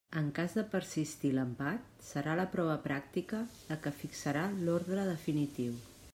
En cas de persistir l'empat, serà la prova pràctica la que fixarà l'ordre definitiu.